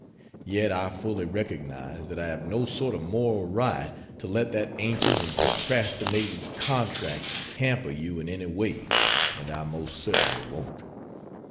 Yet I fully recognize that I have no sort of moral right to let that ancient and procrastinated contract hamper you in any way, and I most certainly won't.